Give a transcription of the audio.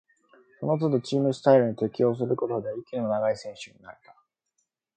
そのつどチームスタイルに適応することで、息の長い選手になれた